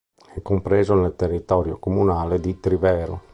È compreso nel territorio comunale di Trivero.